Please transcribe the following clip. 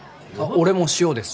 俺も塩です。